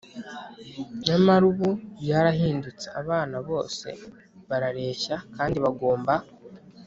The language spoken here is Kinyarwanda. Nyamara ubu ibi byarahindutse. Abana bose barareshya kandi bagomba